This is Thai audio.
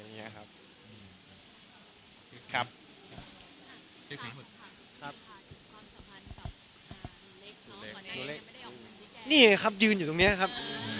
นี่ไงครับยืนอยู่ตรงนี้ครับ